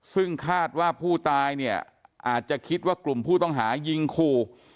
ซึ่งคาดว่าผู้ตายเนี่ยอาจจะคิดว่ากลุ่มผู้ต้องหายิงขู่